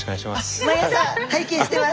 毎朝拝見してます。